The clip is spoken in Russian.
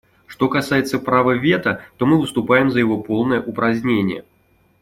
Что касается права вето, то мы выступаем за его полное упразднение.